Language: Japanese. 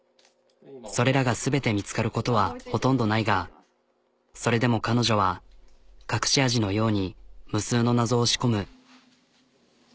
それらが全て見つかることはほとんどないがそれでも彼女は隠し味のように無数の謎を仕込む。